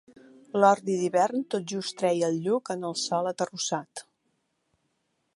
L'ordi d'hivern tot just treia el lluc en el sòl aterrossat.